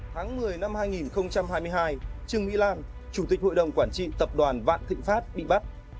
tháng một mươi năm hai nghìn hai mươi hai trương mỹ lan chủ tịch hội đồng quản trị tập đoàn vạn thịnh pháp bị bắt